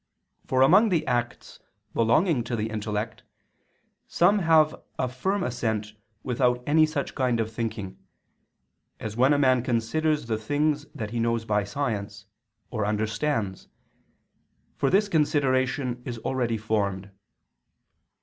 For among the acts belonging to the intellect, some have a firm assent without any such kind of thinking, as when a man considers the things that he knows by science, or understands, for this consideration is already formed.